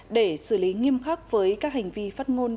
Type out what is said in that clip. để xử lý nghiêm khắc với các hành vi phát ngôn